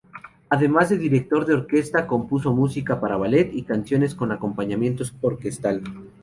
Además de director de orquesta, compuso música para ballet y canciones con acompañamiento orquestal.